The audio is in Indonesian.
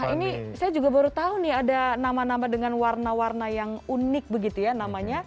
ini saya juga baru tahu nih ada nama nama dengan warna warna yang unik begitu ya namanya